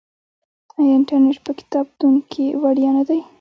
آیا انټرنیټ په کتابتون کې وړیا نه دی؟